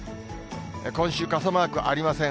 今週、傘マークありません。